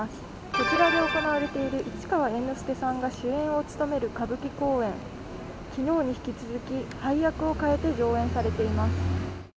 こちらで行われている市川猿之助さんが主演を務める歌舞伎公演、昨日に引き続き配役をかえて上演されています。